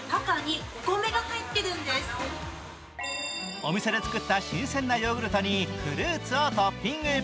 お店で作った新鮮なヨーグルトにフルーツをトッピング。